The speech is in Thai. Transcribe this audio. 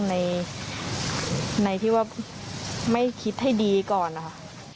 ในที่ว่าไม่คิดให้ดีก่อนนะคะ